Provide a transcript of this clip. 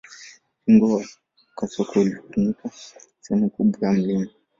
Ukingo wa kasoko ulifunika sehemu kubwa ya mlima